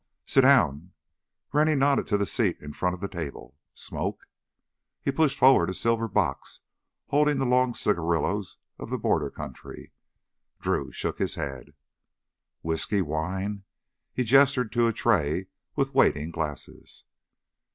"Sit down—" Rennie nodded to the seat in front of the table. "Smoke?" He pushed forward a silver box holding the long cigarillos of the border country. Drew shook his head. "Whisky? Wine?" He gestured to a tray with waiting glasses.